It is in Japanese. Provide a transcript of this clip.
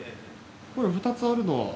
これ２つあるのは。